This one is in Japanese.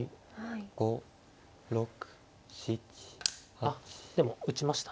あっでも打ちましたね。